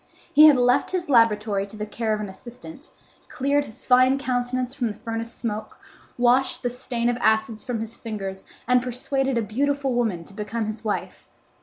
He had left his laboratory to the care of an assistant, cleared his fine countenance from the furnace smoke, washed the stain of acids from his fingers, and persuaded a beautiful woman to become his wife.